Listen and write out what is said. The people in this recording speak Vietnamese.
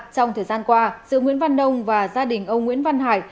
trong thời gian qua sự nguyễn văn đông và gia đình ông nguyễn văn hải